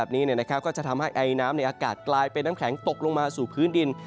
ไอ้น้ำในอากาศกลายเป็นน้ำแข็งตกลงมาสู่พื้นดิน